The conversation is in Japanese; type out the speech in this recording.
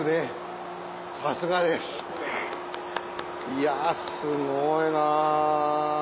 いやすごいなぁ。